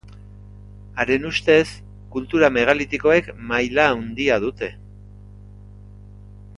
Haren ustez kultura megalitikoek maila handia dute.